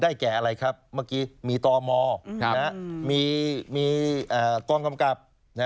แก่อะไรครับเมื่อกี้มีตมมีกองกำกับ